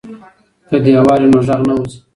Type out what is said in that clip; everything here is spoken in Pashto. که دیوال وي نو غږ نه وځي.